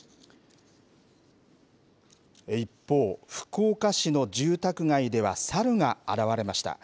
一方、福岡市の住宅街では猿が現れました。